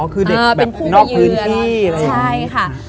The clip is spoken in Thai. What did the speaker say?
อ๋อคือเด็กแบบนอกพื้นที่ใช่ค่ะ